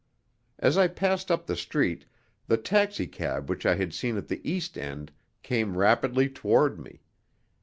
As I passed up the street the taxicab which I had seen at the east end came rapidly toward me.